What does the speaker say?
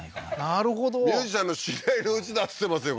なるほどミュージシャンの知り合いのうちだっつってますよ